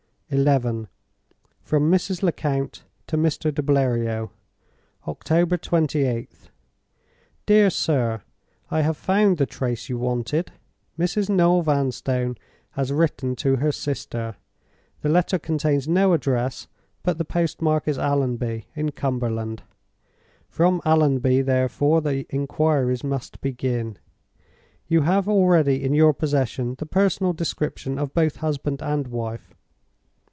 XI. From Mrs. Lecount to Mr. de Bleriot. "October 28th. "DEAR SIR, "I have found the trace you wanted. Mrs. Noel Vanstone has written to her sister. The letter contains no address, but the postmark is Allonby, in Cumberland. From Allonby, therefore, the inquiries must begin. You have already in your possession the personal description of both husband and wife.